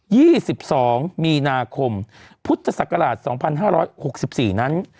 สิบสองมีนาคมพุทธศักราชสองพันห้าร้อยหกสิบสี่นั้น